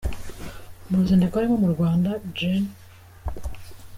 Mu ruzinduko arimo mu Rwanda Gen.